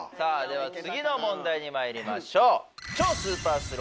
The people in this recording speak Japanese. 次の問題にまいりましょう。